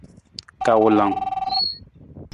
Kawulang.